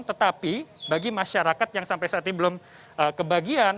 tetapi bagi masyarakat yang sampai saat ini belum kebagian